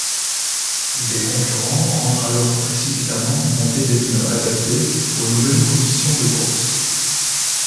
Les concurrents rentrent alors précipitamment monter des pneus adaptés aux nouvelles conditions de course.